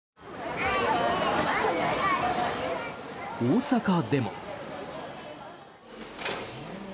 大阪でも。